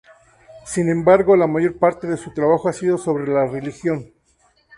Sin embargo, la mayor parte de su trabajo ha sido sobre la religión.